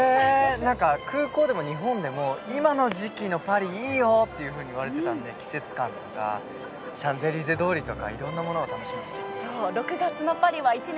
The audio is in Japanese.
空港でも日本でも今の時期のパリ、いいよって言われていたんで、季節感とかシャンゼリゼ通りとかいろんなものが楽しみです。